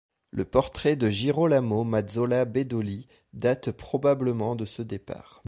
Le portrait de Girolamo Mazzola Bedoli, date probablement de ce départ.